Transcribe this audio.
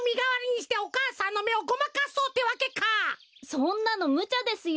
そんなのむちゃですよ。